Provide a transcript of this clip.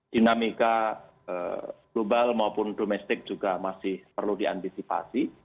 dinamika global maupun domestik juga masih perlu diantisipasi